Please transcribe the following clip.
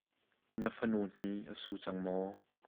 Na fanu hni a su cang maw?